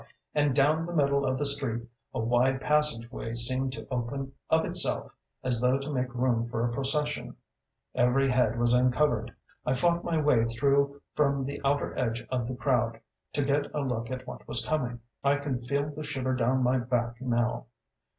and down the middle of the street a wide passageway seemed to open of itself, as though to make room for a procession. Every head was uncovered. I fought my way through from the outer edge of the crowd, to get a look at what was coming. I can feel the shiver down my back now!